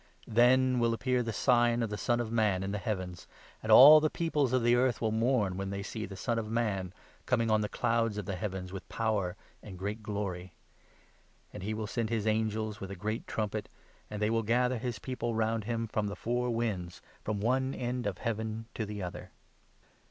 ' Then will 30 appear the sign of the Son of Man in the heavens ; and all the peoples of the earth will mourn, when they see the ' Son of Man coming on the clouds of the heavens," with power and great glory ; and he will send his angels, with a great trumpet, 31 and they will gather his People round him from the four winds, from one end of heaven to the other.